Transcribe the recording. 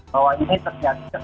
bahwa ini terjadi